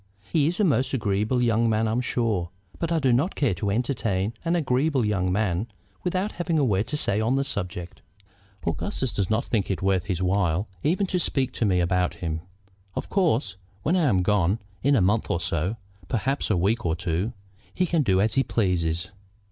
He is a most agreeable young man, I'm sure; but I do not care to entertain an agreeable young man without having a word to say on the subject. Augustus does not think it worth his while even to speak to me about him. Of course, when I am gone, in a month or so, perhaps a week or two, he can do as he pleases."